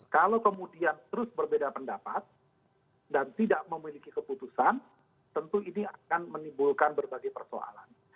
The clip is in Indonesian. kalau kemudian terus berbeda pendapat dan tidak memiliki keputusan tentu ini akan menimbulkan berbagai persoalan